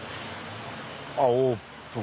あっオープン。